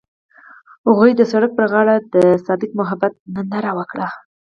هغوی د سړک پر غاړه د صادق محبت ننداره وکړه.